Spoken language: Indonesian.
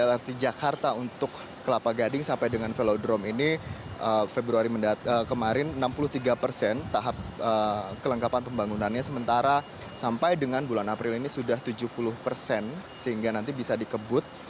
lrt jakarta untuk kelapa gading sampai dengan velodrome ini februari kemarin enam puluh tiga persen tahap kelengkapan pembangunannya sementara sampai dengan bulan april ini sudah tujuh puluh persen sehingga nanti bisa dikebut